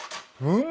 うん。